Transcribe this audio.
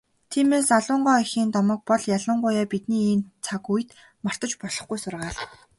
Тиймээс, Алан гоо эхийн домог бол ялангуяа бидний энэ цаг үед мартаж болохгүй сургаал.